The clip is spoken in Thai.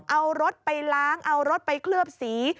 เอารถไปล้างเอารถไปเคลือบสี